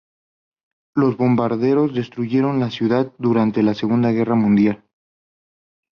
Los bombardeos destruyeron la ciudad durante la Segunda Guerra Mundial.